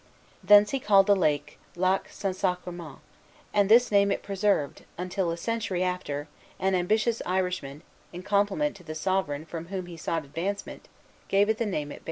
Hence he called the lake Lac St. Sacrement; and this name it preserved, until, a century after, an ambitious Irishman, in compliment to the sovereign from whom he sought advancement, gave it the name it bears.